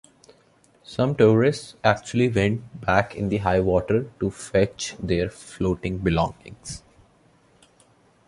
Some tourists actually went back in the high water to fetch their floating belongings.